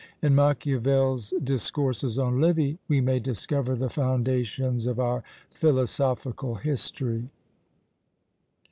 In Machiavel's "Discourses on Livy" we may discover the foundations of our Philosophical History.